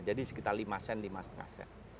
jadi sekitar lima sen lima lima sen